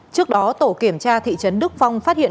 trước đó tổ kiểm tra thị trấn đức phong phát hiện